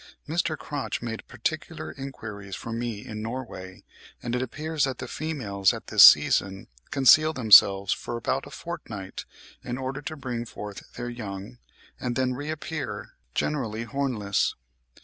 Mr. Crotch made particular enquiries for me in Norway, and it appears that the females at this season conceal themselves for about a fortnight in order to bring forth their young, and then reappear, generally hornless.